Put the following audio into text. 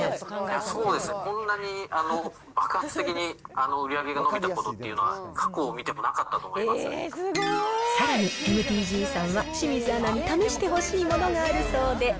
そうです、こんなに爆発的に売り上げが伸びたことっていうのは、過去見てもなかったと思いまさらに、ＭＴＧさんは、清水アナに試してほしいものがあるそうで。